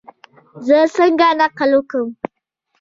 زه څنګه نقل وکم؟